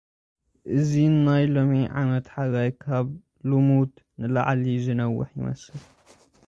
እዚ ናይ ሎሚ ዓመት ሓጋይ፡ ካብቲ ልሙድ ንላዕሊ ዝነውሐ ይመስል።